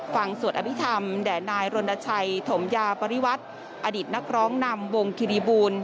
สวดอภิษฐรรมแด่นายรณชัยถมยาปริวัติอดีตนักร้องนำวงคิริบูล